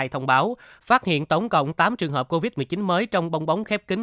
hai nghìn hai mươi hai thông báo phát hiện tổng cộng tám trường hợp covid một mươi chín mới trong bong bóng khép kính